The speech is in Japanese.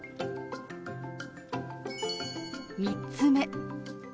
３つ目。